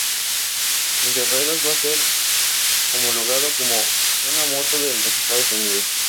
El tres ruedas va a ser homologado como una moto en los Estados Unidos.